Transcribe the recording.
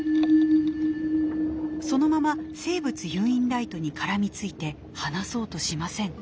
そのまま生物誘引ライトに絡みついて離そうとしません。